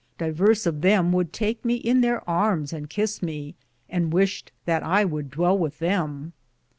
Diveres of them would take me in there armes and kis me, and wyshe that I would dwell with them.